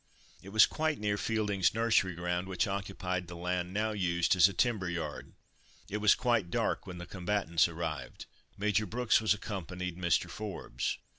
It was near Fielding's nursery ground, which occupied the land now used as a timber yard. It was quite dark when the combatants arrived. Major Brooks was accompanied Mr. Forbes. Mr.